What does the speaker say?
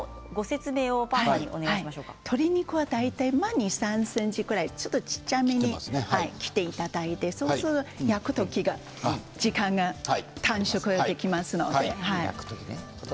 鶏肉は２、３ｃｍぐらいちょっと小さめに切っていただいてそうすると焼く時に時間が短縮できますので。